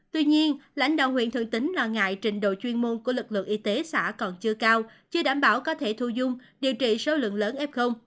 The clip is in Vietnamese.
tuy nhiên lãnh đạo huyện thường tín lo ngại trình độ chuyên môn của lực lượng y tế xã còn chưa cao chưa đảm bảo có thể thu dung điều trị số lượng lớn f